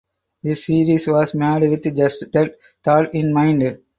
This series was made with just that thought in mind.